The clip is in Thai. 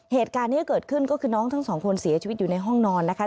เหตุการณ์ที่เกิดขึ้นก็คือน้องทั้งสองคนเสียชีวิตอยู่ในห้องนอนนะคะ